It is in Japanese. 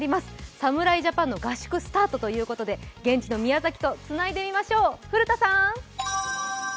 侍ジャパンの合宿スタートということで現地の宮崎とつないでみましょう。